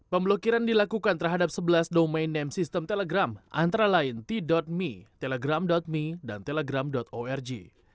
pemblokiran dilakukan terhadap sebelas domain name sistem telegram antara lain t me telegram me dan telegram org